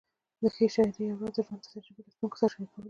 د ښې شاعرۍ یو راز د ژوند تجربې له لوستونکي سره شریکول دي.